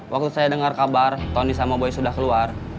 waktu saya dengar kabar tony sama boy sudah keluar